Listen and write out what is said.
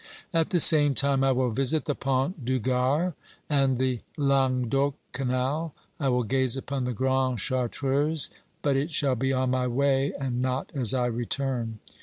At the same time I will visit the Pont du Gard and the Languedoc Canal. I will gaze upon the Grande Chartreuse, but it shall be on my way and not as I return.